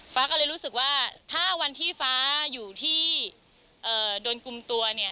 ฟ้าก็เลยรู้สึกว่าถ้าวันที่ฟ้าอยู่ที่โดนกลุ่มตัวเนี่ย